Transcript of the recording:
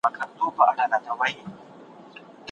ما هغې ته په مخه ښه وویل.